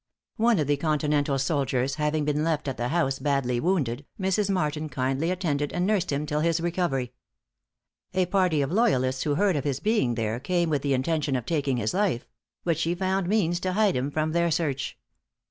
One of the continental soldiers having been left at the house badly wounded, Mrs. Martin kindly attended and nursed him till his recovery. A party of loyalists who heard of his being there, came with the intention of taking his life; but she found means to hide him from their search.